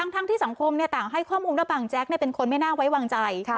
ทั้งที่สังคมต่างให้ข้อมูลว่าบางแจ๊กเป็นคนไม่น่าไว้วางใจ